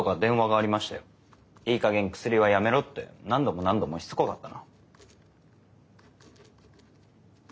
いいかげんクスリはやめろって何度も何度もしつこかったな。